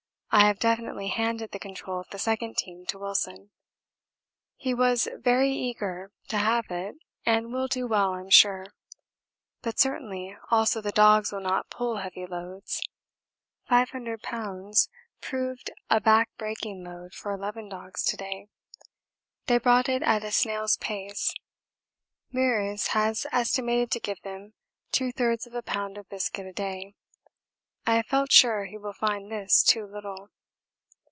I have definitely handed the control of the second team to Wilson. He was very eager to have it and will do well I'm sure but certainly also the dogs will not pull heavy loads 500 pounds proved a back breaking load for 11 dogs to day they brought it at a snail's pace. Meares has estimated to give them two thirds of a pound of biscuit a day. I have felt sure he will find this too little.